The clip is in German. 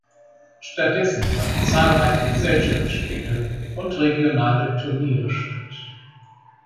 Stattdessen fanden zahlreiche Gesellschaftsspiele und regionale Turniere statt.